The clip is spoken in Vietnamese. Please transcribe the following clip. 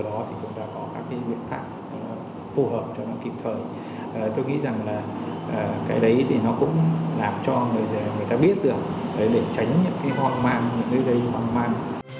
để tránh những cái hoang man những cái gì hoang man